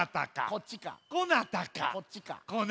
こっちか。